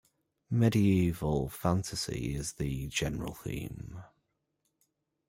Medieval fantasy is the general theme.